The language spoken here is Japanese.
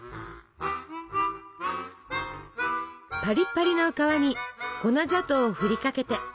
パリパリの皮に粉砂糖を振りかけて。